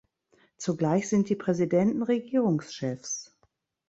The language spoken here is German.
Zugleich sind die Präsidenten Regierungschefs.